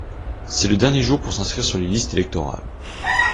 C'est le dernier jour pour s'inscrire sur les listes électorales.